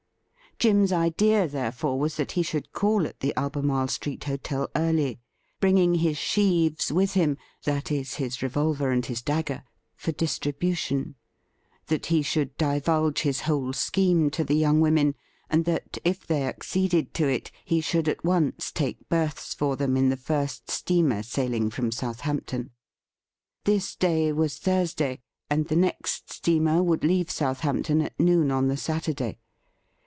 Jim's idea, therefore, was that he should call at th§ Albemarle Street hotel early, bringing his sheaves with 288 THE RIDDLE RING him — ^that is, his revolver and his dagger — ^for distribution, that he should divulge his whole scheme to the young women, and that, if they acceded to it, he should at once take berths for them in the first steamer sailing from Southampton. This day was Thursday, and the next steamer would leave Southampton at noon on the Saturday.